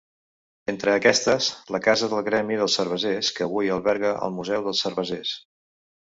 Entre aquestes, la casa del gremi dels cervesers que avui alberga el Museu dels Cervesers.